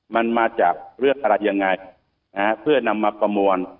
มันมาจากเรื่องอะไรยังไงนะฮะเพื่อนำมาประมวล